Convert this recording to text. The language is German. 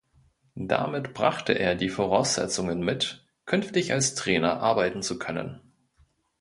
Damit brachte er die Voraussetzungen mit, künftig als Trainer arbeiten zu können.